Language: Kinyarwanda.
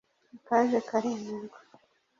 akaje karemerwa